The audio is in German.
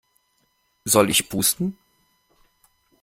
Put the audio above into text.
Soll ich pusten?